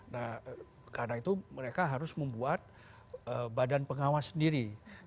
nah karena itu mereka harus membuat badan pengawas sendiri